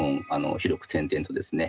広く点々とですね